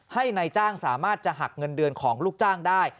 ให้นายจ้างสามารถจะหักเงินเดือนของลูกจ้างได้